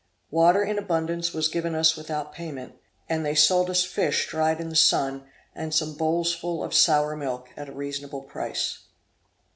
Water in abundance was given us without payment, and they sold us fish dried in the sun, and some bowlsful of sour milk, at a reasonable price.